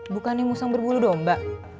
bukannya musang berbulu domba